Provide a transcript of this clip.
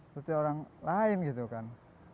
seperti orang lain gitu kan